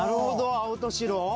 青と白。